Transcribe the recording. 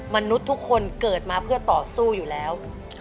มนุษย์ทุกคนเกิดมาเพื่อต่อสู้อยู่แล้ว